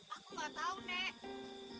aku gak tau nek